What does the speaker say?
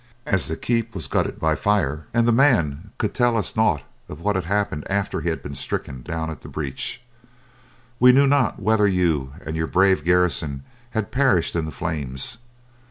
As the keep was gutted by fire, and the man could tell us nought of what had happened after he had been stricken down at the breach, we knew not whether you and your brave garrison had perished in the flames.